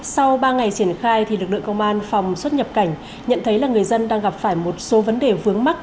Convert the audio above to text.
sau ba ngày triển khai lực lượng công an phòng xuất nhập cảnh nhận thấy là người dân đang gặp phải một số vấn đề vướng mắt